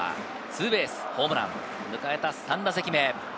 今日はツーベース、ホームラン、迎えた３打席目。